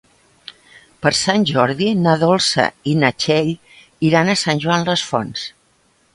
Per Sant Jordi na Dolça i na Txell iran a Sant Joan les Fonts.